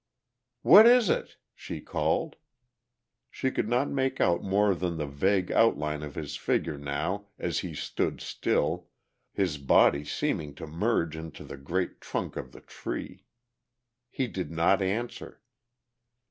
"What is it?" she called. She could not make out more than the vague outline of his figure now as he stood still, his body seeming to merge into the great trunk of the tree. He did not answer.